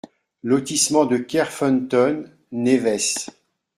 Lotissement de Kerfeunteun, Névez